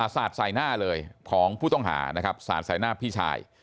สาดใส่หน้าเลยของผู้ต้องหานะครับสาดใส่หน้าพี่ชาย